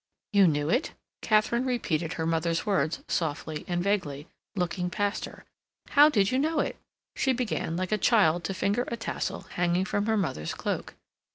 "You knew it?" Katharine repeated her mother's words softly and vaguely, looking past her. "How did you know it?" She began, like a child, to finger a tassel hanging from her mother's cloak.